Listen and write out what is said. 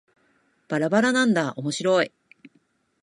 ばらばらなんだーおもしろーい